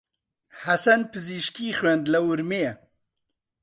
حەسەن پزیشکی خوێند لە ورمێ.